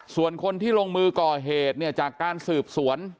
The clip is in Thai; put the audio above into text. ส่วนคนที่ลงมือก่อเหตุเนี่ยจากการสืบสวน